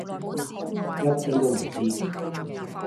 一啲都唔知